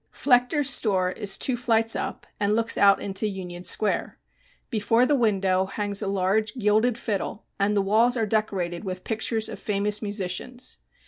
Flechter's store is two flights up and looks out into Union Square. Before the window hangs a large gilded fiddle and the walls are decorated with pictures of famous musicians.